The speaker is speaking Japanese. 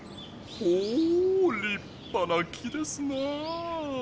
ほりっぱな木ですなあ！